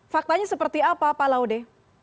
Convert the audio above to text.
faktanya seperti apa pak laude